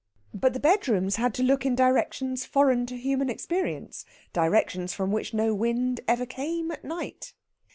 But the bedrooms had to look in directions foreign to human experience directions from which no wind ever came at night.